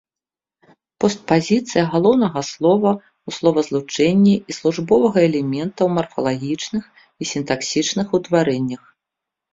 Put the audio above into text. Постпазіцыя галоўнага слова ў словазлучэнні і службовага элемента ў марфалагічных і сінтаксічных утварэннях.